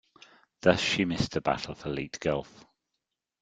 Thus, she missed the Battle for Leyte Gulf.